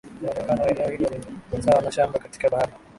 Muonekano wa eneo hilo ni sawa na shamba katika bahari